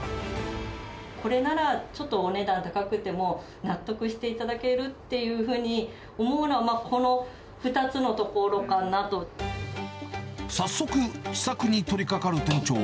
これならちょっとお値段高くても、納得していただけるっていうふうに思うのは、この２つのところか早速、試作に取りかかる店長。